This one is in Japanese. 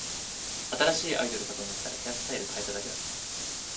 新しいアイドルかと思ったら、ヘアスタイル変えただけだった